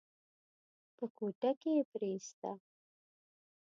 په کوټه کې يې پريېسته.